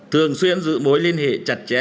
thường xuyên giữ mối liên hệ chặt chẽ